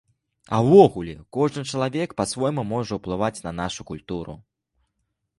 А ўвогуле, кожны чалавек па-свойму можа ўплываць на нашу культуру.